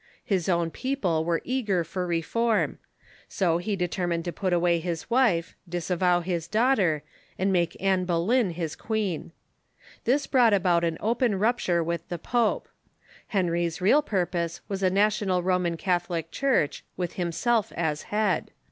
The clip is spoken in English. His own people were eager for reform. So he deter mined to put away his wife, disavow his daughter, and make Anne Boleyn his queen. This brought about an open rupture with the pope. Henry's real purpose was a National Roman Catholic Church, with himself as head.